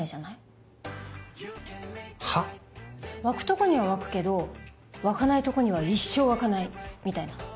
湧くとこには湧くけど湧かないとこには一生湧かないみたいな。